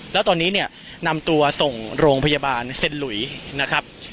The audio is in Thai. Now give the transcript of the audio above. แล้วตอนนี้เนี่ยนำตัวส่งโรงพยาบาลเซ็นหลุยนะครับ